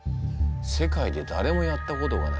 世界で誰もやったことがない？